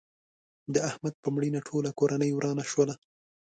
د احمد په مړینه ټوله کورنۍ ورانه شوله.